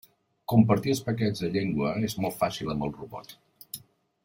Compartir els paquets de llengua és molt fàcil amb el robot.